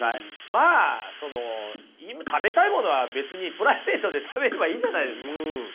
まあその食べたいものは別にプライベートで食べればいいじゃないですか。